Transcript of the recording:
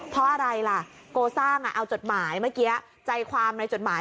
เพราะอะไรล่ะโกสร้างเอาจดหมายเมื่อกี้ใจความในจดหมาย